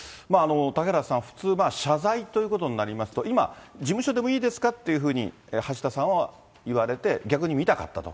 嵩原さん、普通、謝罪ということになりますと、今、事務所でもいいですか？っていうふうに橋田さんは言われて、逆に見たかったと。